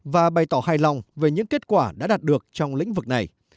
và bày tỏ hài lòng về những kết quả đã đạt được trong lĩnh vực này